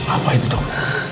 apa itu dokter